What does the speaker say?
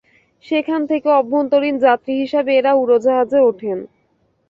সেখান থেকে অভ্যন্তরীণ যাত্রী হিসেবে এরা উড়োজাহাজে ওঠেন।